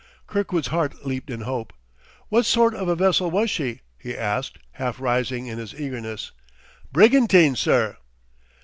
Kirkwood's heart leaped in hope. "What sort of a vessel was she?" he asked, half rising in his eagerness. "Brigantine, sir."